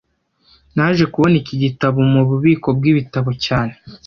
Naje kubona iki gitabo mububiko bwibitabo cyane